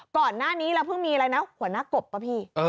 ก่อนหน้านี้เราเพิ่งมีอะไรนะหัวหน้ากบป่ะพี่